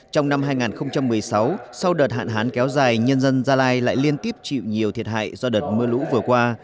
trong năm hai nghìn một mươi sáu sau đợt hạn hán kéo dài nhân dân gia lai lại liên tiếp chịu nhiều thiệt hại do đợt mưa lũ vừa qua